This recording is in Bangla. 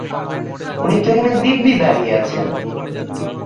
উনি তো এখানে দিব্যি দাঁড়িয়ে আছেন।